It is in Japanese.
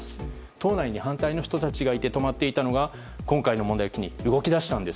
党内に反対の人たちがいて止まっていたのが今回の問題を機に動き出したのです。